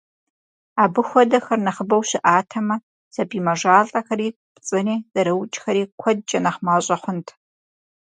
Абы хуэдэхэр нэхъыбэу щыӏатэмэ, сабий мэжалӏэхэри, пцӏыри, зэрыукӏхэри куэдкӏэ нэхъ мащӏэ хъунт.